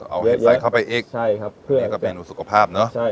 เอาเห็ดไซส์เข้าไปอีกใช่ครับนี่ก็เป็นอุปสรรคภาพเนอะใช่